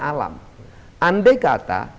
alam andai kata